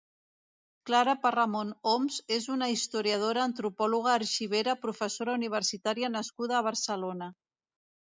Clara Parramon Homs és una historiadora, antropòloga, arxivera, professora universitària nascuda a Barcelona.